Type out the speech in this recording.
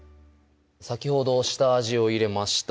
先ほど下味を入れました